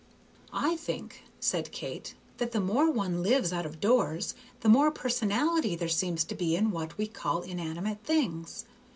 "I think," said Kate, "that the more one lives out of doors the more personality there seems to be in what we call inanimate things.